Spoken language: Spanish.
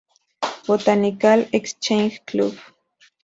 Botanical Exchange Club".